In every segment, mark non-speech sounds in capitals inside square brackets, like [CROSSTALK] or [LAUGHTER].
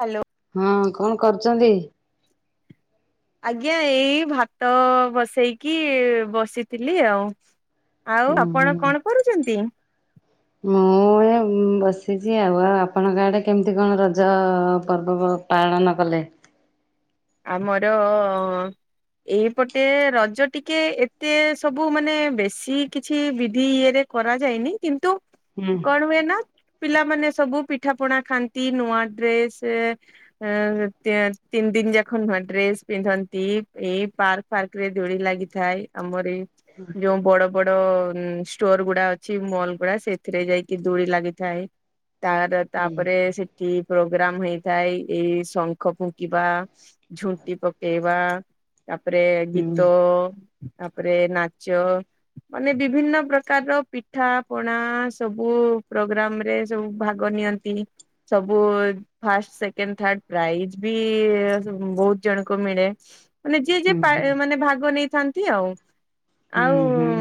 Hello. ହଁ କଣ କରୁଛନ୍ତି। ଆଜ୍ଞା ଏଇ ଭାତ ବସେଇକି ବସିଥିଲି ଆଉ। ଆଉ ହୁଁ ଆପଣ ହୁଁ କଣ କରୁଛନ୍ତି। ମୁଁ। ବସିଛି ଆଉ ଆଉ ଆପଣଙ୍କ ଆଡ଼େ କେମିତି କଣ ରଜ ପର୍ବ ପାଳନ କଲେ। ଆମର ଏଇପଟେ ରଜ ଟିକେ ଏତେ ସବୁ ମାନେ ବେଶୀ କିଛି ବିଧି ଇଏରେ କରାଯାଇନି କିନ୍ତୁ ହୁଁ କଣ ହୁଏ ନା। ପିଲାମାନେ ସବୁ ପିଠା ପଣା ଖାଆନ୍ତି ନୂଆ ଡ୍ରେସ ତିନି ଦିନ ଯାକ। ନ ଡ୍ରେସ ପିନ୍ଧନ୍ତି ଏଇ ପାର୍କ ଫାର୍କ ରେ ଦୋଳି ଲାଗିଥାଏ ଆମର ଯୋଉ ବଡ ବଡ ଷ୍ଟୋର ଗୁଡା ଅଛି ମଲ ଗୁଡା ସେଥିରେ ଯାଇକି ଦୋଡି ଲାଗିଥାଏ। ତାର ହୁଁ ତାପରେ ସେଠି ପ୍ରୋଗ୍ରାମ ହେଇଥାଏ ଏଇ ଶଙ୍ଖ ଫୁଙ୍କିବା। ଝୋଟି ପକେଇବା ତାପରେ ହୁଁ ଗୀତ। ତାପରେ ନାଚ। ମାନେ ବିଭିନ୍ନ ପ୍ରକାରର ପିଠା ପଣା ସବୁ ପ୍ରୋଗ୍ରାମରେ ସବୁ ଭାଗ ନିଅନ୍ତି ସବୁ ଫାଷ୍ଟ ସେକେଣ୍ଡ ଥାର୍ଡ ପ୍ରାଇଜ୍ ବି। ବହୁତ ଜଣଙ୍କୁ ମିଳେ ମାନେ ଯିଏ ହୁଁ ହୁଁ ଯିଏ ମାନେ ଭାଗ ନେଇଥାନ୍ତି ଆଉ। ଆଉ। ହୁଁ ହୁଁ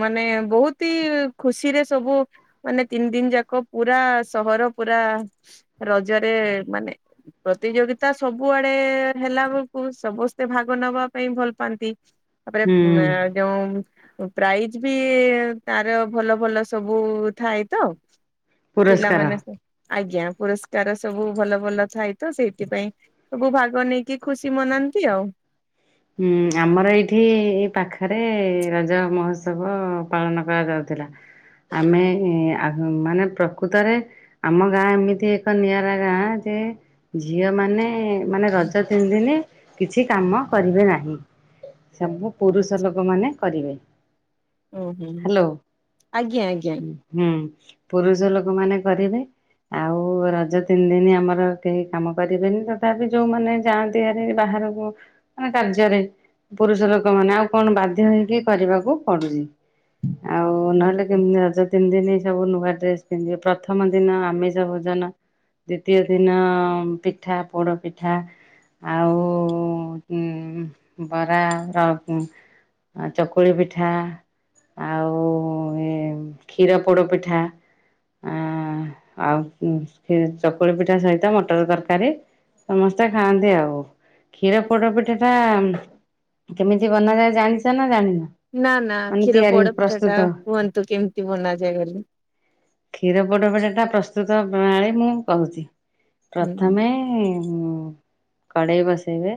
ମାନେ ବହୁତ ହି ଖୁସିରେ ସବୁ ମାନେ ତିନି ଦିନ ଯାକ ପୁରା ସହର ପୁରା। ରଜରେ ମାନେ ପ୍ରତିଯୋଗିତା ସବୁଆଡେ ଏ ହେଲା ବେଳକୁ ସମସ୍ତେ ଭାଗ ନେବା ପାଇଁ ଭଲ ପାଆନ୍ତି। ତାପରେ ଉ ହୁଁ ଯୋଉ। ପ୍ରାଇଜ ବି ତାର ଭଲ ଭଲ ସବୁ ଥାଏ ତ। ପୁରସ୍କାର ପିଲାମାନେ ଆଜ୍ଞା ପୁରସ୍କାର ସବୁ ଭଲ ଭଲ ଥାଏ ତ ସେଇଥିପାଇଁ। ସବୁ ଭାଗ ନେଇକି ଖୁସି ମନାନ୍ତି ଆଉ। ହୁଁ ଆମର ଏଇଠି ଏ ପାଖରେ ରଜ ମହୋତ୍ ସବୁ ପାଳନ କରାଯାଉଥିଲା। ଆମେ ମାନେ ପ୍ରକୃତରେ ଆମ ଗାଁ ଏମିତି ଏକ ନିଆରା ଗାଁ ଯେ ଝିଅ ମାନେ ମାନେ ରଜ ତିନି ଦିନ କିଛି କାମ କରିବେ ନାହିଁ। ସବୁ ପୁରୁଷ ଆଚ୍ଛା ଲୋକମାନେ କରିବେ। ହୁଁ ହୁଁ ହ୍ୟାଲୋ ଆଜ୍ଞା ହୁଁ ପୁରୁଷ ଲୋକମାନେ କରିବେ। ଆଉ ରଜ ତିନି ଦିନ ଆମର କେହି କାମ କରିବେନି ତଥାପି ଯୋଉମାନେ ଯାଆନ୍ତିହେରି ବାହାର ହବ। ମାନେ କାର୍ଯ୍ୟରେ ପୁରୁଷ ଲୋକ ମାନେ ଆଉ କଣ ବାଧ୍ୟ ହେଇକି କରିବାକୁ ପଡୁଛି। ଆଉ ନହେଲେ ଆଜ୍ଞା। କେମିତି ରଜ। ତିନି ଦିନ ସବୁ ନୂଆ ଡ୍ରେସ ପିନ୍ଧିବେ ପ୍ରଥମ ଦିନ ଆମେ ସବୁଜନ। ଦ୍ଵିତୀୟ ଦିନ ପିଠା ପୋଡ ପିଠା ଆଉ। ଉଁ ବରା ର ଚକୁଳି ପିଠା। ଆଉ ଏ କ୍ଷୀର ପୋଡପିଠା। ଆ ଆଉ ଚକୁଳି ପିଠା ସହିତ ମଟର ତରକାରୀ। ସମସ୍ତେ ଖାଆନ୍ତି ଆଉ କ୍ଷୀର। ପୋଡ଼ପିଠାଟା କେମିତି ବନାଯାଏ ଜାଣିଛ ନା ଜାଣିନ। ନା ନା ମାନେ କ୍ଷୀର ତିଆରି ପୋଡପିଠା ଟା ପ୍ରସ୍ତୁତ କୁହନ୍ତୁ କେମିତି ବନାଯାଏ ବୋଲି। କ୍ଷୀର ପୋଡପିଠାଟା ପ୍ରସ୍ତୁ ପ୍ରସ୍ତୁତ ପ୍ରଣାଳୀ ମୁଁ କହୁଛି ହୁଁ ପ୍ରଥମେ ଏଁଁଁଁଁଁ କଡ଼େଇ ବସେଇବେ।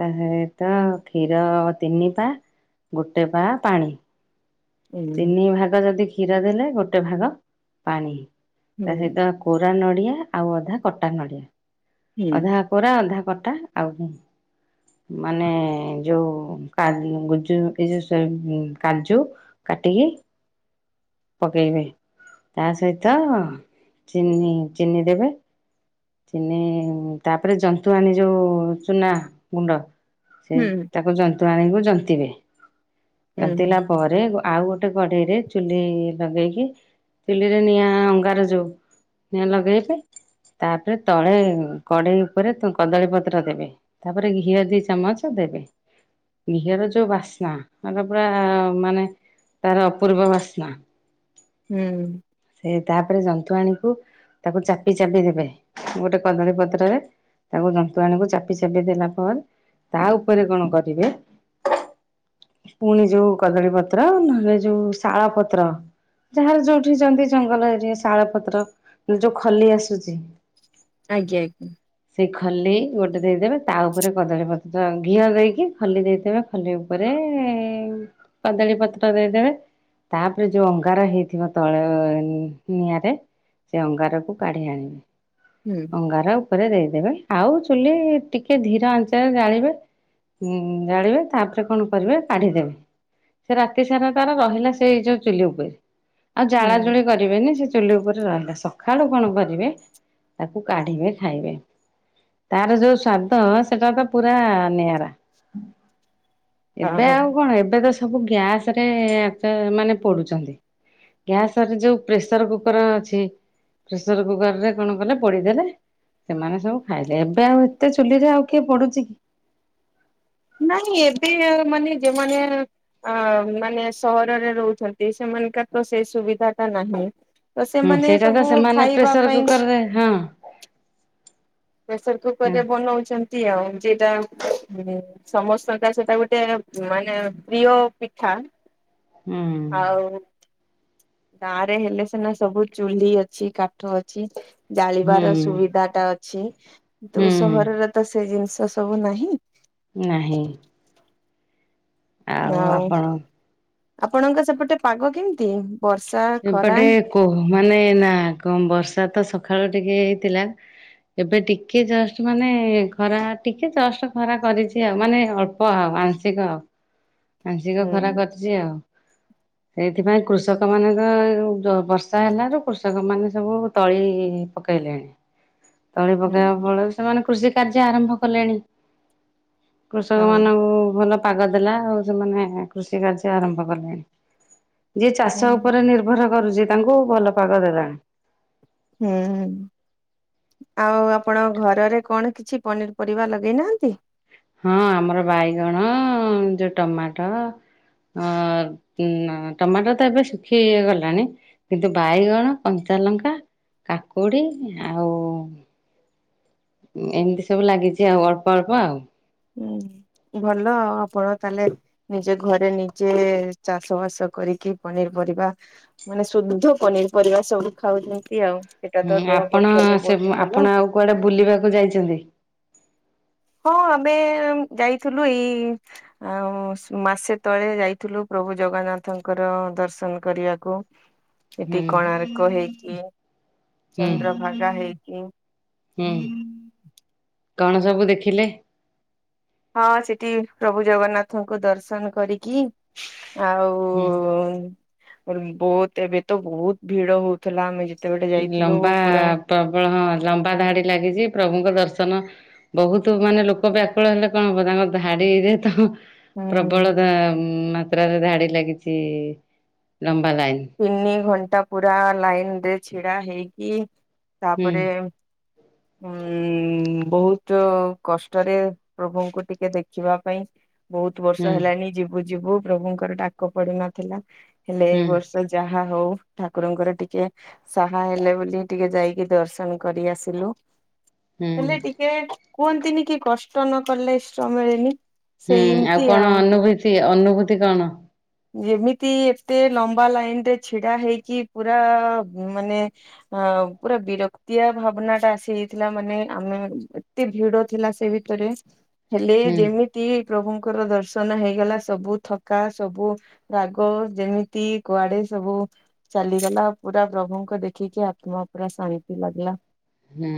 ତା ସହିତ କ୍ଷୀର ତିନି ପା ଗୋଟେ ପା ପାଣି। ହୁଁ ତିନି ଭାଗ ଯଦି କ୍ଷୀର ଦେଲେ ଗୋଟେ ଭାଗ ପାଣି ତା ହୁଁ ସହିତ କୋ କୋରା ନଡ଼ିଆ ଆଉ ଅଧା କଟା ନଡ଼ିଆ ହୁଁ ଅଧାକୋରା ଅଧା କଟା ଆଉ ମାନେ ଯୋଉ [UNINTELLIGIBLE] ଯୋଉ କାଜୁ। କାଟିିକି। ପକେଇବେ ତା ସହିତ ଚିନି ଚିନି ଦେବେ। ଚିନି ତାପରେ ଜନ୍ତୁଆଣି ଯୋଉ ଚୁନା ଗୁଣ୍ଡ। ସେ ହୁଁ ତାକୁ ଜନ୍ତୁଆଣିକୁ ଜନ୍ତିବେ ହୁଁ ହୁଁ ଜନ୍ତିଲା ପରେ। ଆଉ ଗୋଟେ କଡେଇରେ ଚୁଲି ଲଗେଇକି ଚୁଲିରେ ନିଆଁ ଅଙ୍ଗାର ଯୋଉ। ନିଆଁ ଲଗାଇବେ। ତାପରେ ତଳେ କଡ଼େଇ ଉପରେ କଦଳୀପତ୍ର ଦେବେ ତାପରେ ଘିଅ ଦି ଚାମଚ ଦେବେ। ଘିଅର ଯୋଉ ବାସ୍ନା ମାନେ ପୁରା ମାନେ ତାର ଅପୂର୍ବ ବାସ୍ନା। ହୁଁ। ସେ ତାପରେ ଜନ୍ତଣିକୁ ତାକୁ ଚାପି ଚାପି ଦେବେ ଗୋଟେ କଦଳୀ ପତ୍ରରେ ତାକୁ ଜନ୍ତଣିକୁ ଚାପି ଚାପି ଦେଲା ପରେ ତା ଉପରେ କଣ କରିବେ ପୁଣି ଯୋଉ କଦଳୀ ପତ୍ର ନହେଲେ ଯୋଉ ଶାଳ ପତ୍ର ଯାହାର ଯୋଉଠି ଯାନ୍ତି ଜଙ୍ଗଲ ଏ ଶାଳ ପତ୍ର ଯୋଉ ଖଲି ଆସୁଚି ଆଜ୍ଞା ଆଜ୍ଞା। ସେ ଖଲି ଗୋଟେ ଦେଇଦେବେ ତା ଉପରେ କଦଳୀପତ୍ର ଘିଅ ଦେଇକି ଖଲି ଦେଇଦେବେ ଖଲି ଉପ ତା ପରେ କଦଳୀ ପତ୍ର ଦେଇଦେବେ। ତାପରେ ଯୋଉ ଅଙ୍ଗାର ହେଇଥିବ ତ ଳେ ନିଆଁରେ ସେ ଅଙ୍ଗାରକୁ କାଢି ଆଣିବେ ହୁଁ ଅଙ୍ଗାର ରେ ଦେଇଦେବେ ଆଉ ଚୁଲି ଟିକେ ଧୀର ଆଞ୍ଚରେ ଜାଳିବେ ହୁଁ ଜାଳିବେ ତାପରେ କଣ କରିବେ କାଢିଦେବେ ସେ ରାତି ସାରା ତାର ରହିଲା ସେ ଏଇ ଯୋଉ ଚୁଲି ଉପରେ ଆଉ ହୁଁ ଜାଳାଜୁଳି କରିବେନି ସେ ଚୁଲି ଉପରେ ରହି ସଖାଳୁ କଣ କରିବେ ତାକୁ କାଢିବେ ଖାଇବେ ତାର ଯୋଉ ସ୍ଵାଦ ସେଟା ତ ପୁରା ନିଆରା। ଏବେ ହଉ। ଆଉ କଣ ଏବେ ତ ସବୁ ଗ୍ୟାସ ରେ ମାନେ ପୋଡୁଚନ୍ତି। ଗ୍ୟାସରେ ଯୋଉ ପ୍ରେସର କୁକର ଅଛି ପ୍ରେସର କୁକରରେ କଣ କଲେ ପୋଡିଦେଲେ। ସେମାନେ ସବୁ ଖାଇଲେ ଏବେ ଆଉ ଏତେ ଚୁଲିରେ ଆଉ କିଏ ପୋଡୁଚି କି। ନାଇଁ ଏବେ ମାନେ ଯେଉମାନେ ଅ ମାନେ ସହରରେ ରହୁଛନ୍ତି ସେମା ନେ କାତ ସେ ସୁବିଧାଟା ନାହିଁ। ତ ହୁଁ ସେମାନେ ସେଇଟା ତ ସବୁ ସେମାନେ ଖାଇବା ପ୍ରେସର ପାଇଁ। କୁକରରେ ହଁ ପ୍ରେସର ହୁଁ କୁକରରେ ବନଉଚ ନ୍ତି ଆଉ ଯେଟା ସମସ୍ତଙ୍କ ସେଟା ଗୋଟେ ମାନେ ପ୍ରିୟ ପିଠା। ଆଁ। ଉଁ। ଗାଁରେ ହେଲେ ସିନା ସବୁ ଚୁଲି ଅଛି, କାଠ ଅଛି। ହୁଁ ଜାଳିବାର ସୁବିଧାଟା ଅଛି କିନ୍ତୁ ହୁଁ। ସହରରେ ତ ସେ ଜିନଷ ସବୁ ନାହିଁ। ନାହିଁ। ଆଉ ଆପଣଙ୍କ ସେପଟେ ପାଗ କେମତି? ଏପଟେ କୋ ମାନେ ନା କ ବର୍ଷା ତ ସଖାଳୁ ଟିକେ ହେଇଥିଲା। ଏବେ ଟିକେ ଜଷ୍ଟ ମାନେ ଖରା ଟିକେ ଜଷ୍ଟ ଖରା କରିଛି ଆଉ ମାନେ ଅଳ୍ପ ଆଉ ଆଂଶିକ ଆଉ। ଆଂଶିକ ହୁଁ ଖରା କରିଚି ଆଉ। ସେଇଥିପାଇଁ କୃଷକ ମାନଙ୍କ ଯ ବର୍ଷା ହେଲାରୁ କୃଷକ ମାନେ ସବୁ ତଳି ପକେଲେଣି। ତଳି ପକେଇବା ହୁଁ ଫଳରେ ସେମାନେ କୃଷି କାର୍ଯ୍ୟ ଆରମ୍ଭ କଲେଣି। କୃଷକ ହଁ ମାନଙ୍କୁ ଭଲ ପାଗ ଦେଲା ଆଉ। ସେମାନେ କୃଷି କାର୍ଯ୍ୟ ଆରମ୍ଭ କଲେଣି ଯିଏ ହୁଁ ଚାଷ ଉପରେ ନିର୍ଭର କରୁଚି। ତାଙ୍କୁ ଭଲ ପାଗ ଦେଲାଣି। ହୁଁ ଉଁ। ଆଉ ଆପଣ ଘରରେ କଣ କିଛି ପନିର ପରିବା ଲଗେଇ ନାହାଁନ୍ତି? ହଁ ଆମର ବାଇଗଣ ଯୋଉ ଟମାଟୋ ଅ ଉମ ଟମାଟୋ ତ ଏବେ ଶୁଖି ଗଲାଣି କିନ୍ତୁ ବାଇଗଣ କ ଞ୍ଚା ଲଙ୍କା, କାକୁଡ଼ି ଆଉ ଏମତି ସବୁ ଲାଗିଚି ଆଉ ଅଳ୍ପ ଅଳ୍ପ ଆଉ। ହୁଁ ଭଲ ଆଉ ଆପଣ ତାହେଲେ ନିଜେ ଘରେ ନିଜେ ଚାଷ ବାସ କରି ଟିକେ ପନିର ପରିବା ମାନେ ଶୁଦ୍ଧ ପନିର ପରିବା ସବୁ ଖାଉଛନ୍ତି ଆଉ। ସେଟା ହୁଁ ତ ଦେହ ଆପଣ ପକ୍ଷରେ ସେ ବହୁତ ଭଲ। ଆପଣ ଆଉ କୁଆଡେ ବୁଲିବାକୁ ଯାଇଛନ୍ତି। ହଁ ଆମେ ଯାଇଥିଲୁ ଏଇ ଅଁ ମାସେ ତଳେ ଯାଇଥିଲୁ ପ୍ରଭୁ ଜଗନ୍ନାଥଙ୍କର ଦର୍ଶନ କରିଆକୁ। ହୁଁ ସେଠି କୋଣାର୍କ ହେଇଚି, ହୁଁ ଚନ୍ଦ୍ରଭାଗା ହେଇଚି। ହୁଁ କଣ ସବୁ ଦେଖିଲେ? ହଁ ସେଠି ପ୍ରଭୁ ଜଗନ୍ନାଥଙ୍କୁ ଦର୍ଶନ କରିକି ହୁଁ ଆଉ ବହୁତ ଏବେ ତ ବହୁତ ଭିଡ ହଉଥିଲା ଆମେ ଯେ ଲମ୍ବା ପ୍ରବଳ ହଁ ଲମ୍ବା ଧାଡି ଲାଗିଚି ପ୍ରଭୁଙ୍କ ଦର୍ଶନ ବହୁତ ମାନେ ଲୋକ ବ୍ୟାକୁଳ ହେଲେ କଣ ହବ ତାଙ୍କ ଧାଡିରେ ତ ହୁଁ ପ୍ରବଳତା ମାତ୍ରାରେ ଧାଡି ଲାଗିଛି। ଲମ୍ବା ଲାଇନ ତିନି ଘଣ୍ଟା ପୁରା ଲାଇନରେ ଛିଡା ହେଇକି ହୁଁ ତାପରେ ଉଁ। ବହୁତ କଷ୍ଟରେ ପ୍ରଭୁଙ୍କୁ ଟିକେ ଦେଖିବା ପାଇଁ। ବହୁତ ହୁଁ ବର୍ଷ ହେଲାଣି ଯିବୁ ଯିବୁ ପ୍ରଭୁଙ୍କର ଡାକ ପଡି ନଥିଲା ହେଲେ ଏ ହୁଁ ବର୍ଷ ଯାହା ହଉ ଠାକୁରଙ୍କର ଟିକେ ସାହା ହେଲେ ବୋଲି ଟିକେ ଯାଇକି ଦର୍ଶନ କରି ଆସିଲୁ। ହୁଁ ହେଲେ ଟିକେ କୁହନ୍ତିନି କି କଷ୍ଟ ନ କଲେ ଇଷ୍ଟ ମିଳେନି। ହୁଁ ସେଇ ଆଉ ଏମିତି କଣ ଅନୁଭୂତି, ଅନୁଭୂତି କଣ? ଯେମିତି ଏତେ ଲମ୍ବା ଲାଇନରେ ଛିଡା ହେଇକି, ପୁରା ମାନେ ପୁରା ବିରକ୍ତିଆ ଭାବନା ଟା ଆସିଯାଇଥିଲା, ମାନେ ଆମ ଏତେ ଭିଡ ଥିଲା ସେ ଭିତରେ। ହେଲେ ହୁଁ ଯେମିତି ପ୍ରଭୁଙ୍କର ଦର୍ଶନ ହେଇଗଲା, ସବୁ ଥକା ସବୁ ରାଗ ଯେମିତି କୁଆଡେ ସବୁ ଚାଲିଗଲା, ପୁରା ପ୍ରଭୁଙ୍କ ଦେଖିକି ଆ ତ୍ମା ପୁରା ଶାନ୍ତି ଲାଗିଲା। ହୁଁ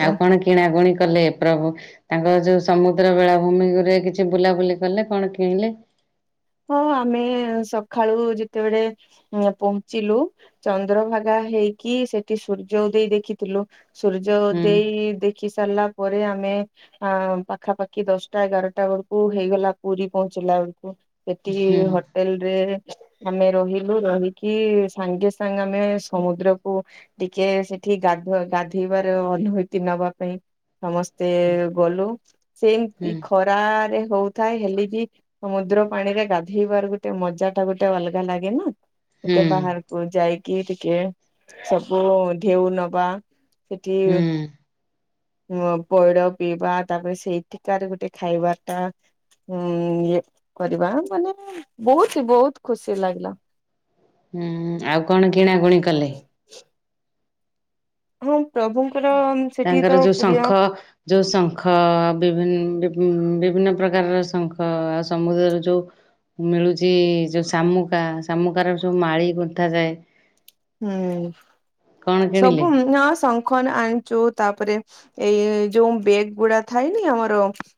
ଓ ଆଉ କଣ କିଣାକଣି କଲେ? ପ୍ରଭୁ ତାଙ୍କର ଯୋଉ ସମୁଦ୍ର ବେଳାଭୂମିରେ କିଛି ବୁଲାବୁଲି କଲେ, କଣ କିଣିଲେ? ହଁ ଆମେ ସକାଳୁ ଯେତେବେଳେ ପହଞ୍ଚିଲୁ, ଚନ୍ଦ୍ରଭାଗା ହେଇକି ସେଠି ସୂର୍ଯ୍ୟ ଉଦୟ ଦେଖିଥିଲୁ। ସୂର୍ଯ୍ୟ ହୁଁ ଉଦୟ ଦେଖି ସାରିଲା ପ ରେ ଆମେ ଅ ପାଖାପାଖି ଦଶଟା ଏଗାରଟା ବେଳକୁ ହେଇଗଲା ପୁରୀ ପହଞ୍ଚିଲା ବେଳକୁ। ସେଠି ହୁଁ ହୋଟେଲରେ। ଆମେ ରହିଲୁ, ରହିକି ସାଙ୍ଗେ ସାଙ୍ଗେ ଆମେ ସମୁଦ୍ରକୁ ଟିକେ ସେ ଠି ଗାଧୁଆ ଗାଧେଇବାର ଅନୁଭୂତି ନବା ପାଇଁ। ସମସ୍ତେ ଗଲୁ, ହୁଁ ସେମିତି ଖରାରେ ହଉଥାଏ, ହେଲେ ବି ସମୁଦ୍ର ପାଣିରେ ଗାଧେଇବାର ଗୋଟେ ମଜାଟା ଗୋଟେ ଅଲଗା ଲାଗେ ନା? ହୁଁ ଗୋଟେ ବାହାରକୁ ଯାଇକି ଟିକେ ସବୁ ଢେଉ ନବା। ହୁଁ। ପ ପଇଡ ପିଇବା, ତାପରେ ସେଇଠିକାର ଗୋଟେ ଖାଇବାଟା ହୁଁ ଇଏ କରିବା ମାନେ ବହୁତ ବହୁତ ଖୁସି ଲାଗିଲା। ହୁଁ ଆଉ କଣ କିଣାକୁଣି କଲେ? ହଁ। ପ୍ରଭୁଙ୍କର ସେଠି ତାଙ୍କର ତ ଯୋଉ ପ୍ରିୟ ଶଙ୍ଖ ଯୋଉ ଶଙ୍ଖ ବିଭି ଉ ବିଭିନ୍ନ ପ୍ରକାରର ଶଙ୍ଖ ସମୁଦ୍ରର ଯୋଉ ମିଳୁଛି ଯୋଉ ଶାମୁକା, ଶାମୁକାର ସବୁ ମାଳି ଗୁନ୍ଥା ଯାଏ। ହୁଁ କଣ କିଣିଲେ? ସବୁ ନୂଆ ଶ ଙ୍ଖ ଆଣିଚୁ, ତାପରେ ଏଇ ଯୋଉଁ ବେଗ ଗୁଡା ଥାଇନି ଆମ [UNINTELLIGIBLE]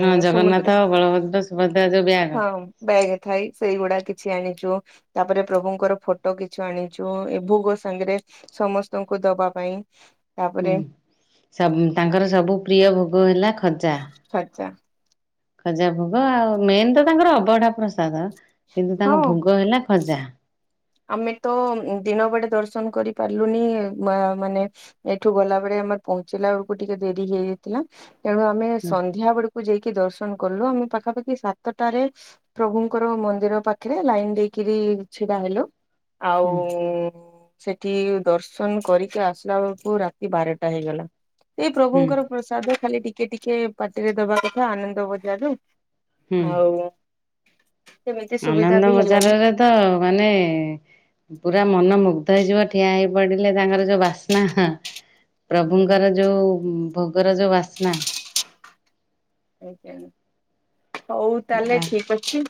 ହଁ ଜଗନ୍ନାଥ ସମୁଦ୍ର। ବଳଭଦ୍ର ସୁଭଦ୍ରା ଯୋଉ ବ୍ୟାଗ ହଁ ବ୍ୟାଗ ଥାଇ ସେଇଗୁଡା କିଛି ଆଣିଛୁ। ତାପରେ ପ୍ରଭୁଙ୍କର ଫଟୋ କିଛି ଆଣି ଯୋଉ, ଏ ଭୋଗ ସାଙ୍ଗରେ ସମସ୍ତଙ୍କୁ ଦବା ପାଇଁ ହୁଁ ତାପରେ ତାଙ୍କର ସବୁ ପ୍ରିୟ ଭୋଗ ହେଲା ଖଜା। ଖର୍ଚ୍ଚା ଖଜା ଭୋଗ, ଆଉ ମେନ ତ ତାଙ୍କର ଅବଢା ପ୍ରସାଦ। କିନ୍ତୁ ହଁ ତାଙ୍କ ଭୋଗ ହେଲା ଖଜା। ଆମେ ତ ଦିନ ବେଡେ ଦର୍ଶନ କରି ପାରିଲୁନି, ମା ମାନେ ଏଠୁ ଗଲାବେଳେ ଆମେ ପହଞ୍ଚିଲା ବେଳକୁ ଟିକେ ଡେରି ହେଇଯାଇଥିଲା, ତେଣୁ ଆମେ ହୁଁ ସନ୍ଧ୍ୟା ବେଳକୁ ଯାଇ କି ଦର୍ଶନ କଲୁ, ଆମେ ପାଖାପାଖି ସାତଟାରେ ପ୍ରଭୁଙ୍କର ମନ୍ଦିର ପାଖରେ ଲାଇନ ଦେଇକିରି ରି ଛିଡା ହେଲୁ। ଆଉ ହୁଁ ସେଠି ଦର୍ଶନ କରିକି ଆସିଲା ବେଳକୁ ରାତି ବାରଟା ହେଇଗଲା। ଏଇ ହୁଁ ପ୍ରଭୁଙ୍କର ପ୍ରସାଦ ଖାଲି ଟିକେ ଟିକେ ପାଟିରେ ଦବା କଥା। ଆନନ୍ଦ ବଜାରରୁ ହୁଁ। ଆଉ। ସେମିତି ସୁବିଧା ଆନନ୍ଦ ବି ହେଲାନି। ବଜାରରେ ତ ମାନେ ପୁରା ମନ ମୁଗ୍ଧ ହେଇଯିବ, ଠିଆ ହେଇ ପଡିଲେ ତାଙ୍କର ଯୋଉ ବାସ୍ନା। ପ୍ରଭୁଙ୍କର ଯୋଉ ଭୋଗର ଯୋଉ ବାସ୍ନା। ହଉ ତାହେଲେ ଆ ଠିକ ଅଛି।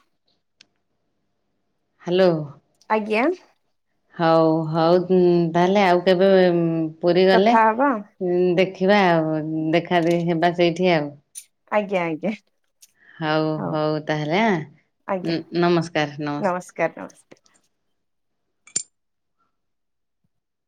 ହାଲୋ। ଆଜ୍ଞା। ହଉ ହଉ, ତାହେଲେ ଆଉ କେବେ ପୁରୀ ଗଲେ କଥା ହବା ଦେଖ ଦେଖିବା ଆଉ ଦେଖା ଦେଖି ହେବା ସେଇଠି ଆଉ। ଆଜ୍ଞା ଆଜ୍ଞା। ହଉ ହଉ ତାହେଲେ ଆଜ୍ଞା ନମସ୍କାର୍ ନମସ୍କାର୍। ନମସ୍କାର [INAUDIBLE]